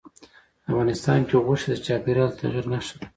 افغانستان کې غوښې د چاپېریال د تغیر نښه ده.